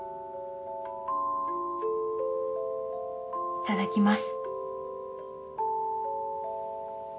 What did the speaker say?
いただきます。